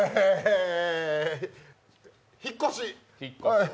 引っ越し。